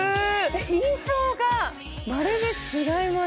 印象がまるで違います